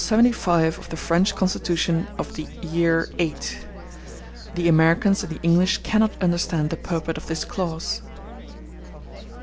75 of the French Constitution of the An VIII—The Americans and the English cannot understand the purport of this clause.